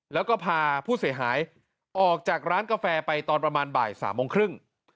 แล้วก็พาผู้เสียหายออกจากร้านกาแฟไปตอนประมาณบ่าย๓โมงครึ่ง